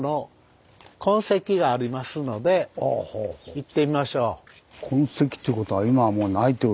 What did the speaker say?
行ってみましょう。